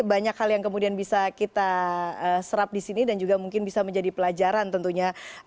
banyak hal yang kemudian bisa kita serap di sini dan juga mungkin bisa menjadi pelajaran tentunya